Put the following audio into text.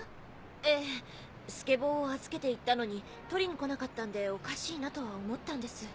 ええスケボーを預けて行ったのに取りに来なかったんでおかしいなとは思ったんです。